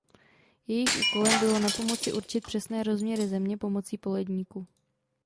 Jejich úkolem bylo napomoci určit přesné rozměry Země pomocí poledníku.